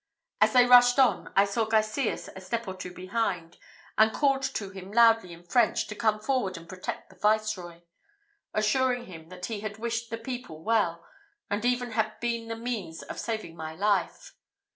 As they rushed on, I saw Garcias a step or two behind, and called to him loudly in French to come forward and protect the viceroy, assuring him that he had wished the people well, and even had been the means of saving my life.